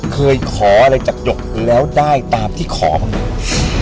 เคยขออะไรจากหยกแล้วได้ตามที่ขอมาไหม